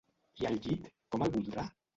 I el llit com el voldrà?